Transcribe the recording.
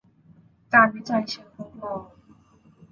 การวิจัยเชิงทดลอง